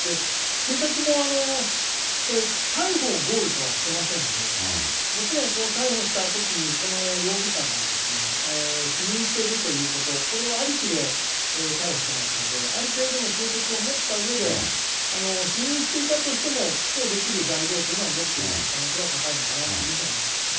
警察もこれ、逮捕をゴールとはしてませんので、もちろんこの逮捕したときに、この容疑者が否認しているということ、これはありきで逮捕してますので、ある程度の証跡を持ったうえで、否認していたとしても起訴できる材料というのは持っている可能性は高いのかなというふうには思ってますよね。